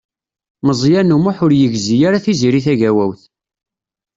Meẓyan U Muḥ ur yegzi ara Tiziri Tagawawt.